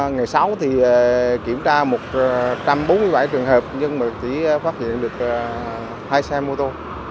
ngày sáu thì kiểm tra một trăm bốn mươi bảy trường hợp nhưng mà chỉ phát hiện được hai xe mô tô